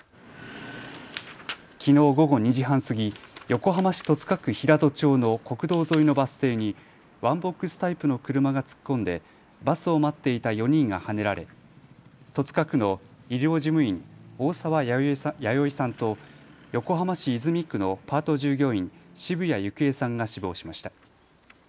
きのう午後２時半過ぎ、横浜市戸塚区平戸町の国道沿いのバス停にワンボックスタイプの車が突っ込んでバスを待っていた４人がはねられ戸塚区の医療事務員、大澤弥生さんと横浜市泉区のパート従業員、澁谷幸恵さんが死亡しました。